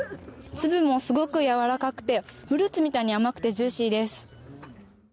粒もすごくやわらかくてフルーツみたいに甘くてジューシーです。